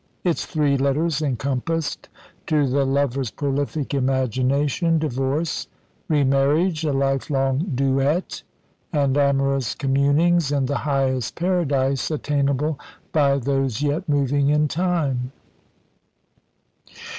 Its three letters encompassed, to the lover's prolific imagination divorce, remarriage, a life long duet and amorous communings in the highest paradise attainable by those yet moving in time.